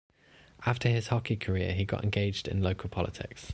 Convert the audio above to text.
After his hockey career he got engaged in local politics.